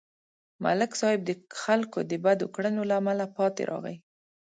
ملک صاحب د خلکو د بدو کړنو له امله پاتې راغی.